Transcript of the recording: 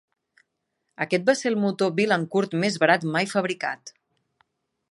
Aquest va ser el motor Billancourt més barat mai fabricat.